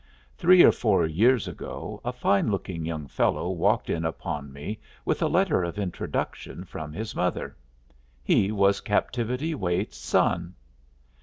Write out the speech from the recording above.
Three or four years ago a fine looking young fellow walked in upon me with a letter of introduction from his mother. He was Captivity Waite's son!